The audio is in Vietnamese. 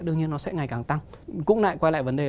đương nhiên nó sẽ ngày càng tăng cũng lại quay lại vấn đề